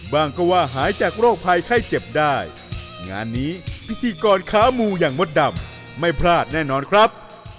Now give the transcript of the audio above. ว่าก็ว่าหายจากโรคภัยไข้เจ็บได้งานนี้พิธีกรขามูอย่างมดดำไม่พลาดแน่นอนครับ